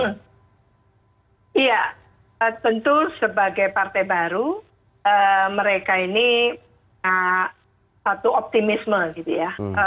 iya tentu sebagai partai baru mereka ini punya satu optimisme gitu ya